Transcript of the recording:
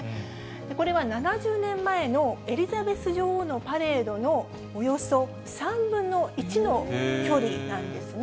これは７０年前のエリザベス女王のパレードのおよそ３分の１の距離なんですね。